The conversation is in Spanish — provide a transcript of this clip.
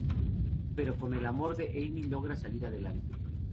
Pero con el amor de Amy logra salir adelante.